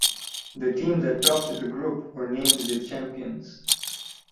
The team that topped the group were named the Champions.